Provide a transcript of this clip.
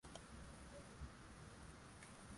alizikwa ila akafufuka siku ya tatu akapaa kwa